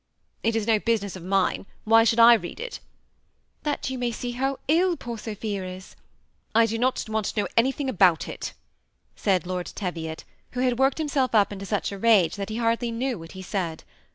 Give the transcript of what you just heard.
" It is no business of mine, why should Tread it ?"" That you may see how ill poor Sophia is." " I do not want to know anything about it," said Lord Teviot, who had worked himself up into such a rage that he hardly knew what he said.